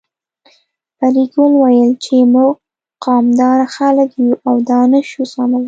پري ګلې ويل چې موږ قامداره خلک يو او دا نه شو زغملی